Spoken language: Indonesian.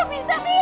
ih kok bisa sih